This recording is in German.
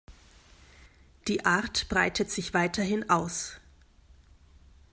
Die Art breitet sich weiterhin aus.